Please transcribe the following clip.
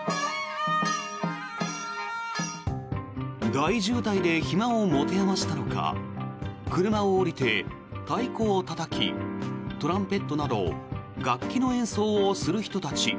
大渋滞で暇を持て余したのか車を降りて太鼓をたたきトランペットなど楽器の演奏をする人たち。